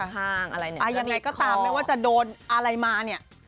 ยังไงก็ตามไม่ว่าจะโดนอะไรมาเนี่ย